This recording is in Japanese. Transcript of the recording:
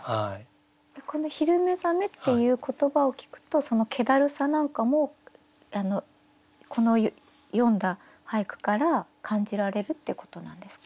この「昼寝覚」っていう言葉を聞くとそのけだるさなんかもこの読んだ俳句から感じられるってことなんですか？